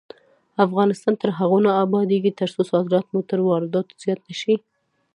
افغانستان تر هغو نه ابادیږي، ترڅو صادرات مو تر وارداتو زیات نشي.